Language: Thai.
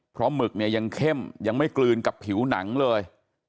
เพราะหมึกเนี่ยยังเข้มยังไม่กลืนกับผิวหนังเลย